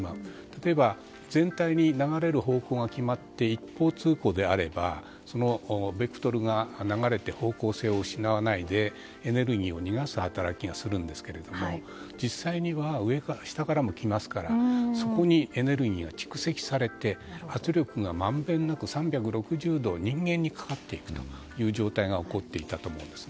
例えば全体に流れる方向が決まって一方通行であればそのベクトルが流れて方向性を失わないでエネルギーを逃がす働きをするんですが実際には、下からも来ますからそこにエネルギーが蓄積されて圧力がまんべんなく３６０度人間にかかっていくという状況が起こっていたと思います。